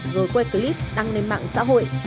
rồi quay clip đăng lên mạng xã hội